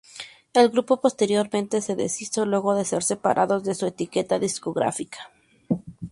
El grupo posteriormente se deshizo luego de ser separados de su etiqueta discográfica.